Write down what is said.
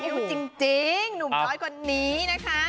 หนุ่มน้อยก็หนีนะคะ